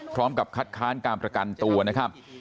พร้อมกับคัดค้านการประกันตัวนะครับ